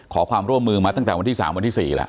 ขอความร่วมมือมาตั้งแต่วันที่๓วันที่๔แล้ว